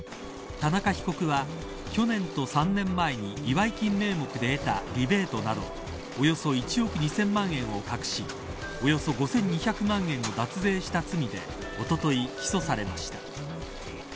田中被告は去年と３年前に祝い金名目で得たリベートなどおよそ１億２０００万円を隠しおよそ５２００万円を脱税した罪でおととい、起訴されました。